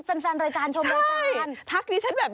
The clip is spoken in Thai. ติดตามทางราวของความน่ารักกันหน่อย